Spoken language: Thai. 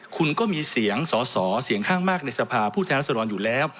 คุณก็มีเสียงสอสอเสียงข้างมากในสภาพผู้แทนรัศดรอยู่แล้ว